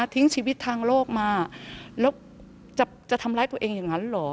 ทิ้งชีวิตทางโลกมาแล้วจะทำร้ายตัวเองอย่างนั้นเหรอ